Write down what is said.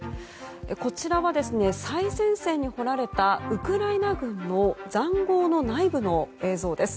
こちらは最前線に掘られたウクライナ軍の塹壕の内部の映像です。